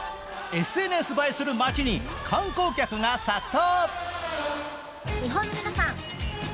ＳＮＳ映えする街に観光客が殺到！